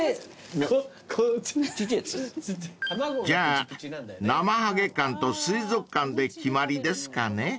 ［じゃあなまはげ館と水族館で決まりですかね］